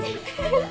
フフフ。